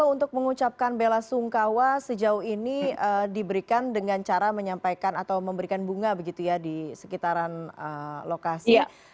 untuk mengucapkan bela sungkawa sejauh ini diberikan dengan cara menyampaikan atau memberikan bunga begitu ya di sekitaran lokasi